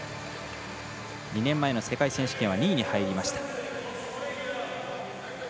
２年前の世界選手権は２位に入りました。